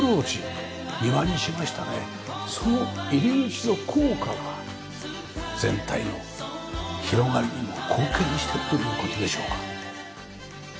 その入り口の効果が全体の広がりにも貢献してるという事でしょうか。